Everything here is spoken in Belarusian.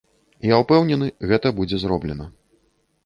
Я ўпэўнены, гэта будзе зроблена.